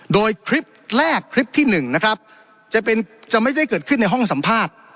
โดยคลิปแรกคลิปที่๑นะครับจะเป็นจะไม่ได้เกิดขึ้นในห้องสัมภาษณ์